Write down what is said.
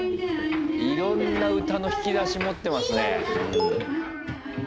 いろんな歌の引き出し持ってますね。